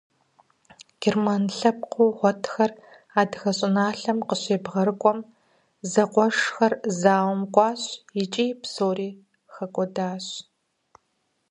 Герман лъэпкъыу гъуэтхэр адыгэ щӏыналъэм къыщебгъэрыкӏуэм зэкъуэшхэр зауэм кӏуащ икӏи псори хэкӏуэдащ.